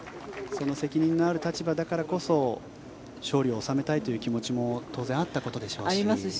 その責任のある立場だからこそ勝利を収めたいという気持ちも当然あったことでしょうし。